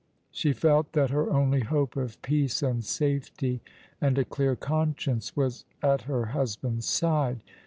She felt that her only hope of peace and safety and a clear conscience was at her husband's side.